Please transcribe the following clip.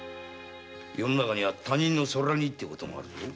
世の中には他人の空似ってこともあるよ。